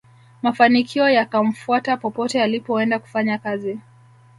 mafanikio yakamfuata popote alipoenda kufanya kazi